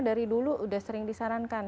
dari dulu udah sering disarankan